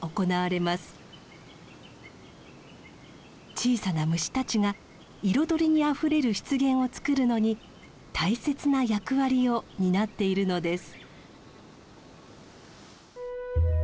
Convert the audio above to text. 小さな虫たちが彩りにあふれる湿原をつくるのに大切な役割を担っているのです。